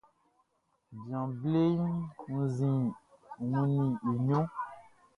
Bian bleʼn wunnin i ɲrunʼn.